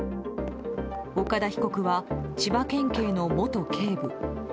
岡田被告は千葉県警の元警部。